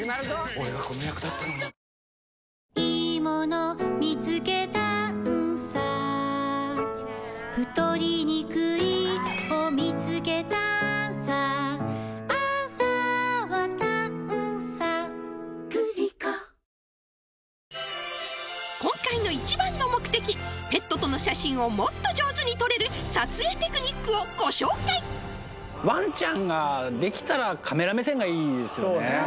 俺がこの役だったのに今回の一番の目的ペットとの写真をもっと上手に撮れる撮影テクニックをご紹介できたらそうね